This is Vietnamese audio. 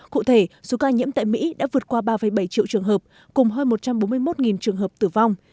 cụ thể số ca nhiễm tại mỹ đã vượt qua ba bảy triệu trường hợp cùng hơn một trăm bốn mươi một trường hợp tử vong